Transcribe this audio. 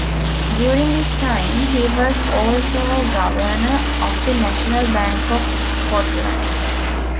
During this time, he was also a governor of the National Bank of Scotland.